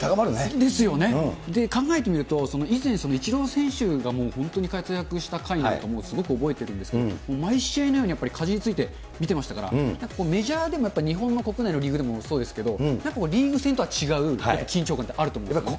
で、考えてみると、以前、イチロー選手がもう本当に活躍した回なんかもすごく覚えているんですけれども、毎試合のようにやっぱり、かじりついて見てましたから、なんかこう、メジャーでも日本の国内のリーグでもそうですけど、やっぱりリーグ戦とは違う緊張感ってあると思うんですよね。